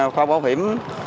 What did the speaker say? kho bảo hiểm